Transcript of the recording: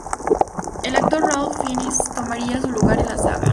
El actor Ralph Fiennes tomaría su lugar en la saga.